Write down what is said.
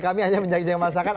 kami hanya menjanjikan masakan